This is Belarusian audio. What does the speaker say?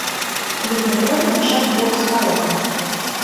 Дык не трэба мяшаць боб з гарохам.